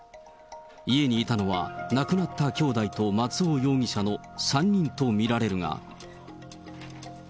家にいたのは亡くなった兄弟と松尾容疑者の３人と見られるが。